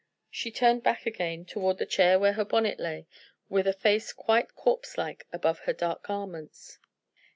She turned back again, toward the chair where her bonnet lay, with a face quite corpse like above her dark garments.